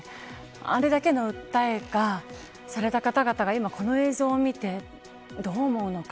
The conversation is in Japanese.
あれだけの訴えをされた方々がこの映像を見てどう思うのか。